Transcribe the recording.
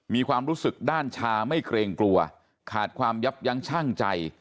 มีความรู้สึกด้านชาไม่เกรงกลัวขาดความยับยั้งชั่งใจ